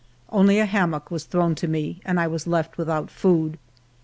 Only a hammock was thrown to me, and I was left with out food.